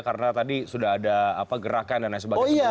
karena tadi sudah ada gerakan dan lain sebagainya